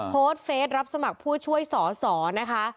โพสต์เฟสรับสมัครผู้ช่วยสอสอนะคะ